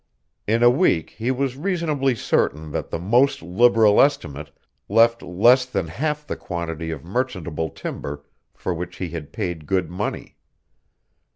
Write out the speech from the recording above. In a week he was reasonably certain that the most liberal estimate left less than half the quantity of merchantable timber for which he had paid good money.